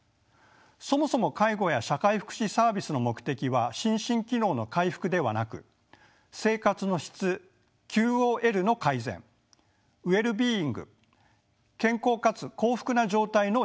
そもそも介護や社会福祉サービスの目的は心身機能の回復ではなく生活の質ＱＯＬの改善ｗｅｌｌ−ｂｅｉｎｇ健康かつ幸福な状態の実現にあります。